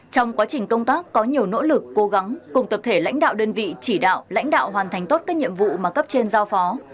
trong quá trình công tác có nhiều nỗ lực cố gắng cùng tập thể lãnh đạo đơn vị chỉ đạo lãnh đạo hoàn thành tốt các nhiệm vụ mà cấp trên giao phó